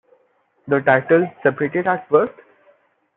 The title Separated at Birth?